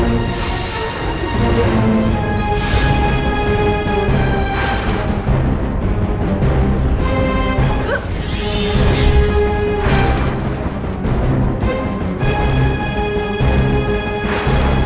kau akan mendapatkan pelajaran dariku